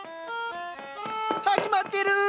始まってる。